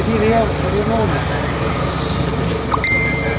กลับไปเถอะ